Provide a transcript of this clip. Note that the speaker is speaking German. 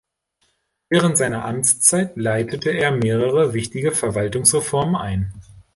Während seiner Amtszeit leitete er mehrere wichtige Verwaltungsreformen ein.